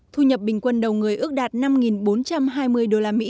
thu nhập bình quân đầu người ước đạt năm bốn trăm hai mươi usd